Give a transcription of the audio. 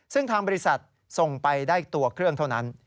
ซึ่งทางบริษัทส่งไปได้ตัวเครื่องเท่านั้น